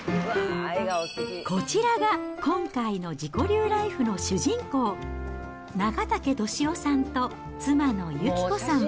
こちらが今回の自己流ライフの主人公、長竹俊雄さんと妻の幸子さん。